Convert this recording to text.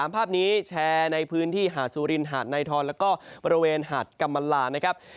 ๓ภาพนี้แชร์ในพื้นที่หาสุรินหาดนายทอนแล้วก็บริเวณหาดกำมัลลา